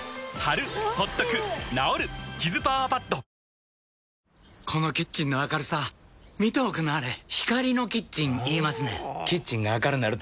新しくなったこのキッチンの明るさ見ておくんなはれ光のキッチン言いますねんほぉキッチンが明るなると・・・